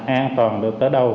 an toàn tới đâu